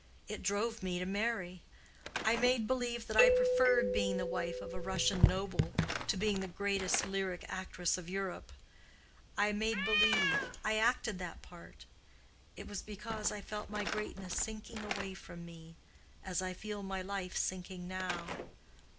"It drove me to marry. I made believe that I preferred being the wife of a Russian noble to being the greatest lyric actress of Europe; I made believe—I acted that part. It was because I felt my greatness sinking away from me, as I feel my life sinking now.